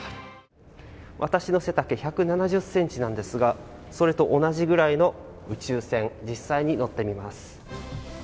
私の背丈１７０ｃｍなんですがそれと同じくらいの宇宙船、実際に乗ってみます。